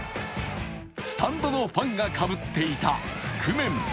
スタンドのファンがかぶっていた覆面。